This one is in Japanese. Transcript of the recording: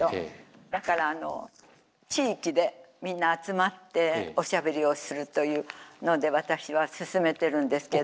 だからあの地域でみんな集まっておしゃべりをするというので私は進めてるんですけど。